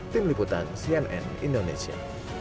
tim liputan cnn indonesia